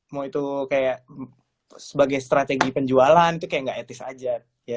mau itu kayak sebagai strategi penjualan itu kayak gak etis aja